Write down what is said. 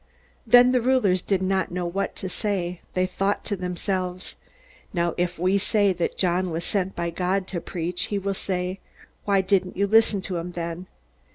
Then the rulers did not know what to say. They thought to themselves: _Now if we say that John was sent by God to preach, he will say, "Why didn't you listen to him, then?